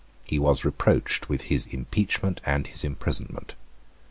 He was reproached with his impeachment and his imprisonment.